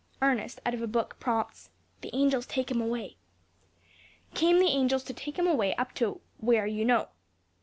Ernest, out of a book, prompts_ "The angels take him away"), "came the angels to take him away, up to where you know."